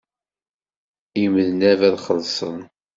Imednab ad xellṣen.